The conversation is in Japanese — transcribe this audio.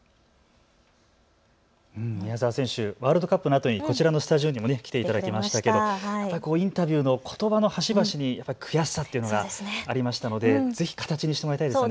宮澤選手、ワールドカップのあとにこちらのスタジオにも来ていただきましたけれどインタビューのことばの端々に悔しさというのがありましたのでぜひ形にしてもらいたいですね。